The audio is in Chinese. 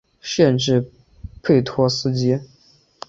县治佩托斯基。